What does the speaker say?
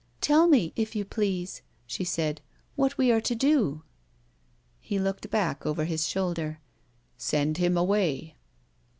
"Tell me, if you please," she said, "what we are to do." He looked back over his shoulder. "Send him away."